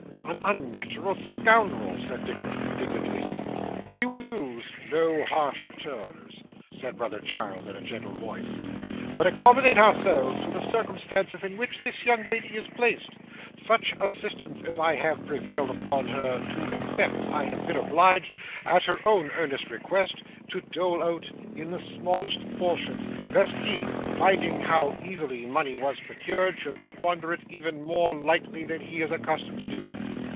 'An unnatural scoundrel!' said Nicholas, indignantly. 'We will use no harsh terms,' said brother Charles, in a gentle voice; 'but accommodate ourselves to the circumstances in which this young lady is placed. Such assistance as I have prevailed upon her to accept, I have been obliged, at her own earnest request, to dole out in the smallest portions, lest he, finding how easily money was procured, should squander it even more lightly than he is accustomed to do.